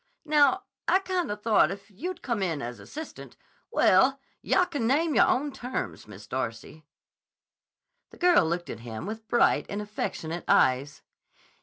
Now, I kinda thought if you'd come in as assistant—well, yah can name yahr own terms, Miss Darcy." The girl looked at him with bright and affectionate eyes.